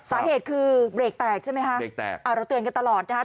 สาเหตุคือเบรกแตกใช่ไหมครับเราเตือนกันตลอดนะครับ